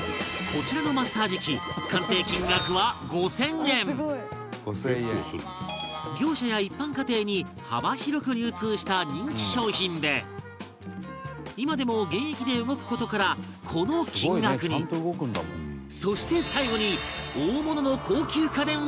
こちらのマッサージ器鑑定金額は５０００円業者や一般家庭に幅広く流通した人気商品で今でも現役で動く事からこの金額にそして、最後に大物の高級家電を発見